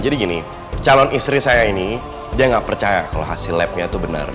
jadi gini calon istri saya ini dia nggak percaya kalau hasil labnya itu benar